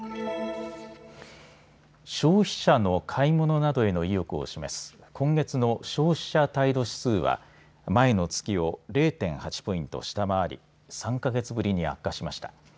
消費者の買い物などへの意欲を示す今月の消費者態度指数は前の月を０．８ポイント下回り３か月ぶりに悪化しました。